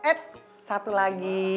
eh satu lagi